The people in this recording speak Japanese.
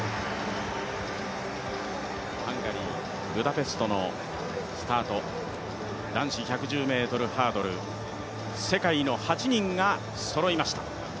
ハンガリー・ブダペストのスタート、男子１１０ｍハードル、世界の８人がそろいました。